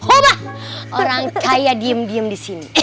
wah orang kaya diem diem di sini